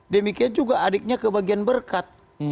demikian juga adiknya kebagian berkat